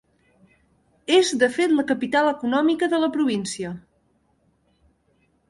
És de fet la capital econòmica de la província.